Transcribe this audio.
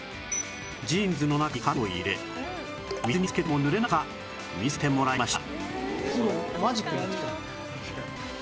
ジーンズの中に紙を入れ水につけても濡れないか見せてもらいました